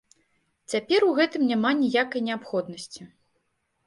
Цяпер у гэтым няма ніякай неабходнасці.